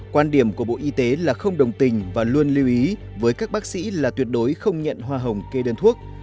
quan điểm của bộ y tế là không đồng tình và luôn lưu ý với các bác sĩ là tuyệt đối không nhận hoa hồng kê đơn thuốc